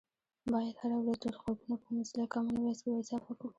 باید هره ورځ ډېر غږونه په موزیلا کامن وایس کې اضافه کړو